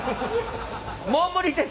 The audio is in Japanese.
もう無理です。